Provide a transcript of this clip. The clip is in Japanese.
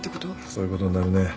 そういうことになるね。